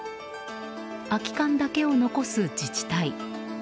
空き缶だけを残す自治体。